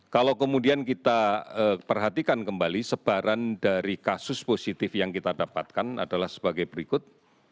kalau kemudian kita perhatikan kembali sebaran dari kasus positif yang kita dapatkan adalah sebagai berikut